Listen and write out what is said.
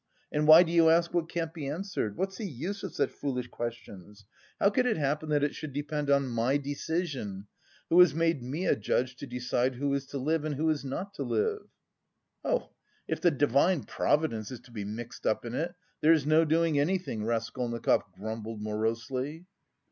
And why do you ask what can't be answered? What's the use of such foolish questions? How could it happen that it should depend on my decision who has made me a judge to decide who is to live and who is not to live?" "Oh, if the Divine Providence is to be mixed up in it, there is no doing anything," Raskolnikov grumbled morosely.